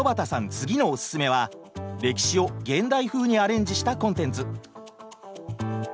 次のおススメは歴史を現代風にアレンジしたコンテンツ。